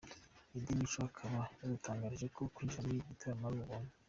Eddie Mico akaba yadutangarije ko kwinjira muri iki gitaramo ari ubuntu.